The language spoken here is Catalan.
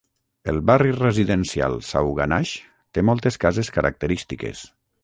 El barri residencial Sauganash té moltes cases característiques.